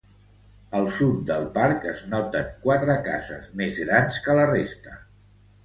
Al sud del parc es noten quatre cases més grans que la resta.